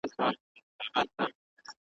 ماته مو بېړۍ ده له توپان سره به څه کوو ,